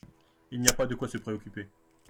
Il n’y a pas de quoi se préoccuper.